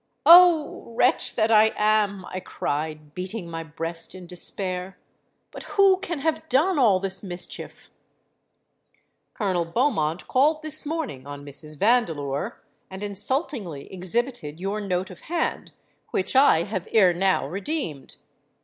'—'Oh! wretch that I am!' I cried, beating my breast in despair. 'But who can have done all this mischief?'—'Colonel Beaumont called this morning on Mrs. Vandeleur, and insultingly exhibited your note of hand, which I have ere now redeemed.'